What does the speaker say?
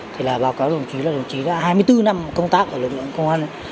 thì là báo cáo đồng chí là đồng chí đã hai mươi bốn năm công tác ở lực lượng công an